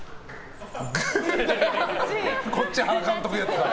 こっちは原監督やってた。